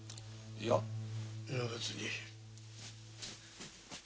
いや別に。